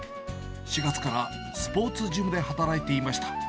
４月からスポーツジムで働いていました。